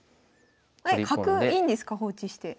えっ角いいんですか放置して。